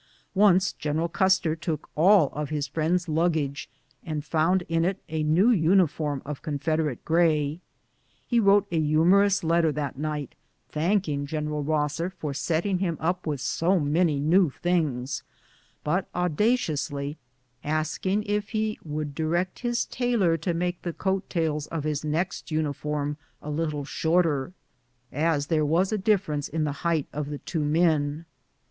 Once General Custer took all of his friend's luggage, and found in it a new uniform coat of Confederate gray. He wrote a humorous letter that night thanking General Rosser for setting him up in so many new things, but audaciously asking if he " would direct his 93 BOOTS AND SADDLES. tailor to make the coat tails of his next uniform a little shorter " as there was a difference in the height of the two men.